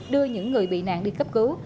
đưa những người bị nạn đi cấp cứu